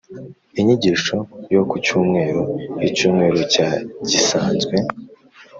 inyigisho yo ku cyumweru, icyumweru cya gisanzwe